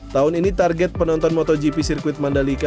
tahun ini target penonton motogp sirkuit mandalika